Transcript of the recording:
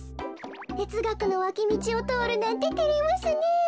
てつがくのわきみちをとおるなんててれますねえ。